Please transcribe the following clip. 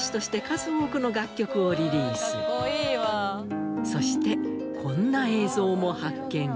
その後もそしてこんな映像も発見。